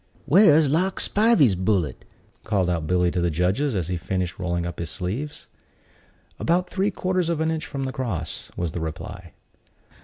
"Where's Lark Spivey's bullet?" called out Billy to the judges, as he finished rolling up his sleeves. "About three quarters of an inch from the cross," was the reply.